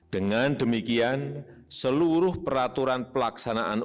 dengan demikian seluruh peraturan pelaksanaan